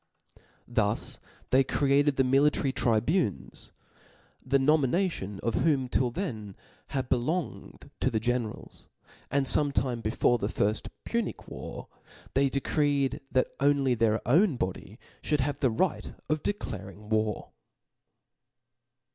Thus they * Cre* ared'the •hiiKtary tribunes;\^tfie ' nonfiinafion of whom rilfihen had belonged to tire generals ; and ibmejcirtie' before the firft Punic war, tlicy' decreed^ that only ^theit 6wn body^fhould have the rights of declaring War.